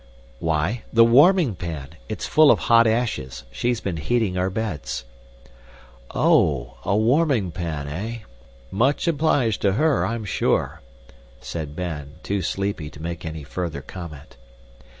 "Why, the warming pan. It's full of hot ashes; she's been heating our beds." "Oh, a warming pan, eh! Much obliged to her, I'm sure," said Ben, too sleepy to make any further comment.